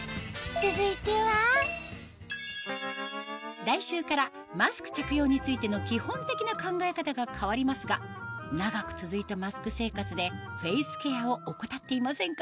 続いては来週からマスク着用についての基本的な考え方が変わりますが長く続いたマスク生活でフェイスケアを怠っていませんか？